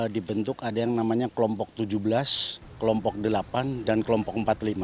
dibentuk ada yang namanya kelompok tujuh belas kelompok delapan dan kelompok empat puluh lima